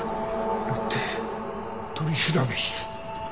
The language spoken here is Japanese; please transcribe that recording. これって取調室。